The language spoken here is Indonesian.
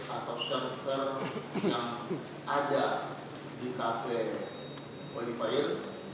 atau server yang ada di kt oliver